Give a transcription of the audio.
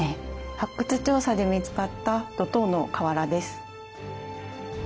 発掘調査で見つかった土塔の瓦です。